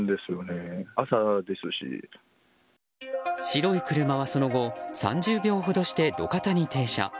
白い車はその後３０秒ほどして路肩に停車。